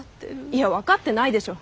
いや分かってないでしょ。